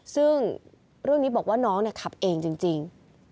ซึ่งเรื่องนี้บอกว่าน้องขับเองจริง